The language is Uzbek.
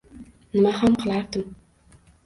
Nima ham qilardim